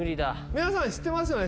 皆さん知ってますよね？